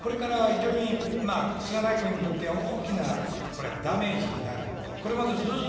菅内閣にとっては大きなダメージになる。